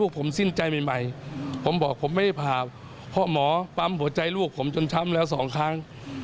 พ่อหมอปั๊มหัวใจลูกผมจนช้ำแล้ว๒ครั้ง